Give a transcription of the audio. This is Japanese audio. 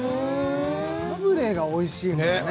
サブレがおいしいもんね